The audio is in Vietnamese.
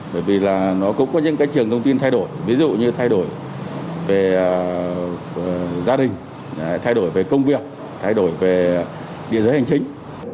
bởi vì là nó cũng có những cái trường thông tin thay đổi ví dụ như thay đổi về gia đình thay đổi về công việc thay đổi về địa giới hành chính